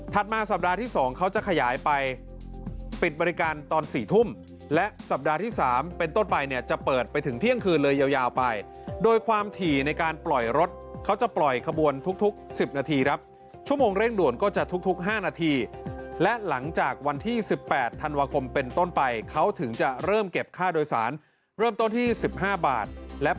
มาสัปดาห์ที่๒เขาจะขยายไปปิดบริการตอน๔ทุ่มและสัปดาห์ที่๓เป็นต้นไปเนี่ยจะเปิดไปถึงเที่ยงคืนเลยยาวไปโดยความถี่ในการปล่อยรถเขาจะปล่อยขบวนทุก๑๐นาทีครับชั่วโมงเร่งด่วนก็จะทุก๕นาทีและหลังจากวันที่๑๘ธันวาคมเป็นต้นไปเขาถึงจะเริ่มเก็บค่าโดยสารเริ่มต้นที่๑๕บาทและ